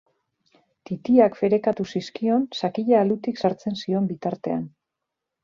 Titiak ferekatu zizkion sakila alutik sartzen zion bitartean.